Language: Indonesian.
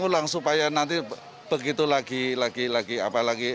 berulang supaya nanti begitu lagi lagi lagi apa lagi